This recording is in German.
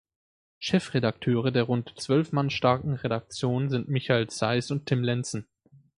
Chefredakteure der rund zwölf Mann starken Redaktion sind Michael Zeis und Tim Lenzen.